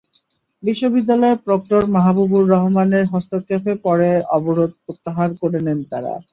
বিশ্ববিদ্যালয়ের প্রক্টর মাহবুবর রহমানের হস্তক্ষেপে পরে অবরোধ প্রত্যাহার করে নেন তঁারা।